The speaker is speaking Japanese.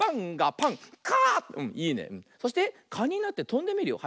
そしてかになってとんでみるよ。